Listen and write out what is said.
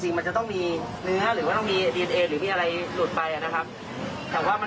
เขาออกห้องเป็นหรือยังได้ข่าวตอนนั้นเอาเข้าไป